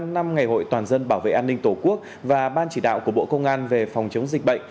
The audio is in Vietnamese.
một mươi năm năm ngày hội toàn dân bảo vệ an ninh tổ quốc và ban chỉ đạo của bộ công an về phòng chống dịch bệnh